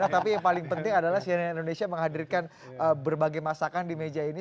tapi yang paling penting adalah cnn indonesia menghadirkan berbagai masakan di meja ini